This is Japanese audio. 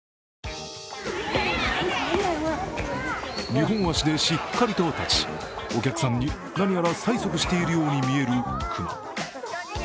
二本足でしっかりと立ち、お客さんに何やら催促しているように見える、熊。